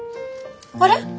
あれ？